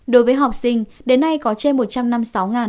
đối với học sinh đến nay có trên